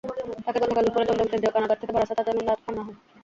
তাঁকে গতকাল দুপুরে দমদম কেন্দ্রীয় কারাগার থেকে বারাসাত আদালতে আনা হয়।